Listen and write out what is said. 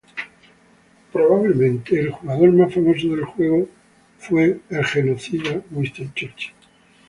Probablemente el jugador más famoso del juego fue Winston Churchill.